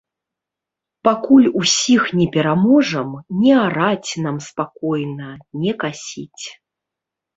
Пакуль усіх не пераможам, не араць нам спакойна, не касіць.